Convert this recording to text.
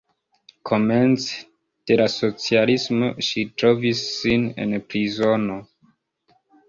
Komence de la socialismo ŝi trovis sin en prizono.